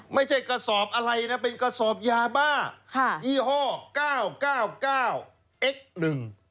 ไม่ใช่กระสอบอะไรนะเป็นกระสอบยาบ้าค่ะยี่ห้อเก้าเก้าเอ็กซ์หนึ่ง